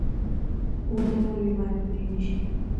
ونې ولې باید پرې نشي؟